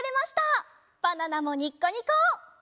バナナもニッコニコ！